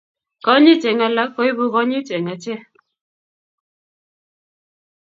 Konyit eng alak koipu konyit eng achek